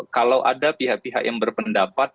kalau ada pihak pihak yang berpendapat